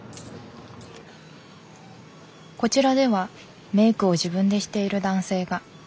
こちらではメークを自分でしている男性が。